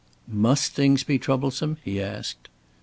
"Must things be troublesome?" he asked.